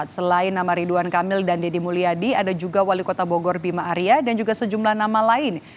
selain nama ridwan kamil dan deddy mulyadi ada juga wali kota bogor bima arya dan juga sejumlah nama lain